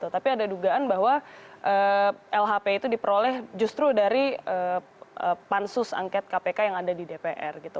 tapi ada dugaan bahwa lhp itu diperoleh justru dari pansus angket kpk yang ada di dpr gitu